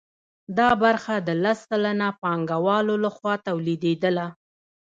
دا برخه د لس سلنه پانګوالو لخوا تولیدېدله